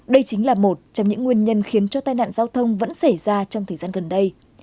đây chính là một trong những nguyên nhân khiến cho tai nạn giao thông vẫn xảy ra trong thời gian gần đây